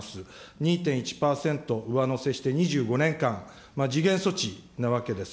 ２．１％上乗せして２５年間、時限措置なわけです。